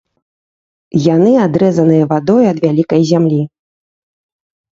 Яны адрэзаныя вадой ад вялікай зямлі.